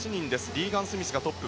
リーガン・スミスがトップ。